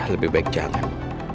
lebih baik jangan